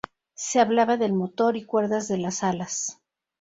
Se hablaba del motor y cuerdas de las alas.